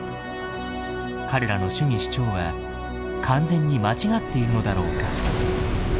彼らの主義主張は完全に間違っているのだろうか。